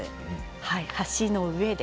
「橋の上で」